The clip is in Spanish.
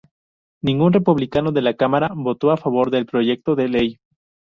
Ningún republicano de la cámara votó a favor del proyecto de ley.